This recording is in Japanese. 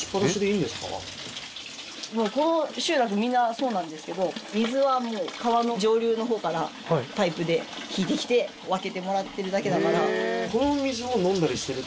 この集落みんなそうなんですけど水は川の上流の方からパイプで引いてきて分けてもらってるだけだから。